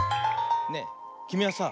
ねえきみはさ